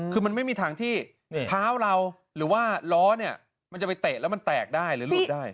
คือมันไม่มีทางที่เท้าเราหรือว่าล้อเนี่ยมันจะไปเตะแล้วมันแตกได้หรือหลุดได้